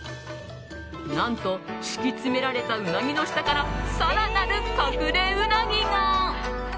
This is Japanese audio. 何と、敷き詰められたうなぎの下から更なる隠れうなぎが。